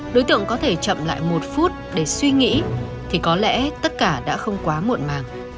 đối tượng có thể chậm lại một phút để suy nghĩ thì có lẽ tất cả đã không quá muộn màng